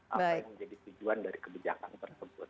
apa yang menjadi tujuan dari kebijakan tersebut